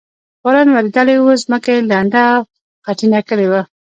باران ورېدلی و، ځمکه یې لنده او خټینه کړې وه.